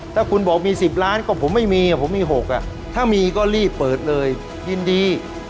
ถ้าคุณบอกมี๑๐ล้านก็ผมไม่มีผมมี๖ถ้ามีก็รีบเปิดเลยยินดี